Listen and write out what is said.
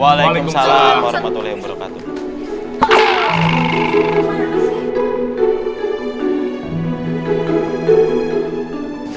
waalaikumsalam warahmatullahi wabarakatuh